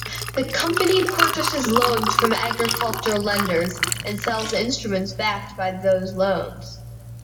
The company purchases loans from agricultural lenders, and sells instruments backed by those loans.